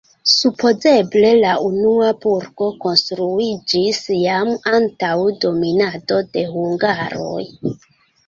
Supozeble la unua burgo konstruiĝis jam antaŭ dominado de hungaroj.